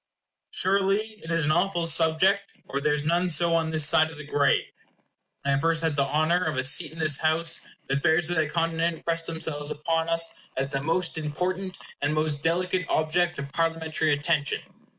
Surely it is an awful subject, or there is none so on this side of the grave. When I first had the honor of a seat in this House, the affairs of that continent pressed themselves upon us as the most important and most delicate object of Parliamentary attention.